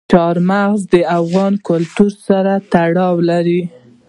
چار مغز د افغان کلتور سره تړاو لري.